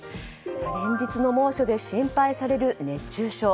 連日の猛暑で心配される熱中症。